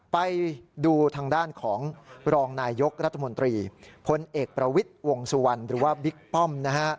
ไปดูทางด้านของรองนายยกรัฐมนตรีพลเอกประวิทย์วงสุวรรณหรือว่าบิ๊กป้อมนะฮะ